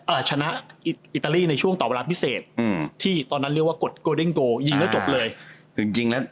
ชนะอิตาลีในช่วงต่อเวลาพิเศษอืมที่ตอนนั้นเรียกว่ากดโกเด้งโกยิงแล้วจบเลยจริงจริงแล้ว